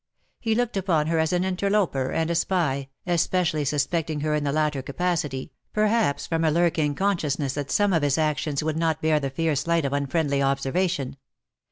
"" He looked upon her as an interloper and a spy^ especially suspecting her in the latter capacity, perhaps from a lurking consciousness that some of his actions would not bear the fierce light of unfriendly observation.